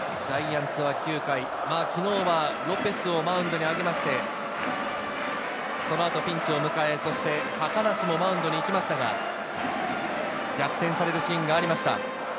ジャイアンツは９回、昨日はロペスをマウンドに上げまして、そのあとピンチを迎え、高梨もマウンドに行きましたが、逆転されるシーンがありました。